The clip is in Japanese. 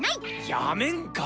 やめんか！